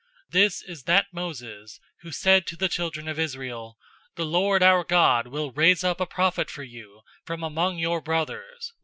007:037 This is that Moses, who said to the children of Israel, 'The Lord our God will raise up a prophet for you from among your brothers, like me.